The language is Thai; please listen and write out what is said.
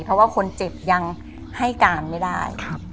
เพราะว่าคนเจ็บยังให้การไม่ได้